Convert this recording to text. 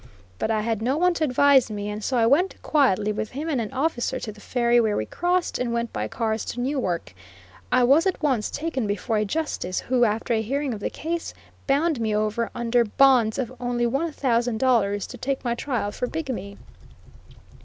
But I had no one to advise me, and so I went quietly with him and an officer to the ferry, where we crossed and went by cars to Newark. I was at once taken before a justice, who, after a hearing of the case, bound me over, under bonds of only one thousand dollars, to take my trial for bigamy.